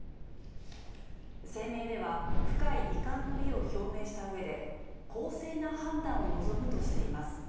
声明では、深い遺憾の意を表明したうえで、公正な判断を望むとしています。